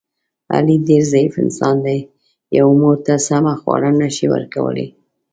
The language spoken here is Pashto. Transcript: علي ډېر..... انسان دی. یوې مور ته سمه خواړه نشي ورکولی.